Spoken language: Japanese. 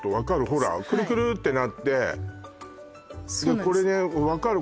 ほらくるくるってなってこれね分かる？